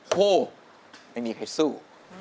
คู่ไม่มีใครสู้